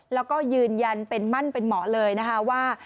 แล้วก็ยืนยันเป็นมั่นเป็นเหมาะเลยนะคะว่า